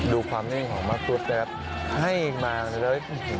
ดูความนิ่งของมากจริงนะครับให้มาเลยโอ้โห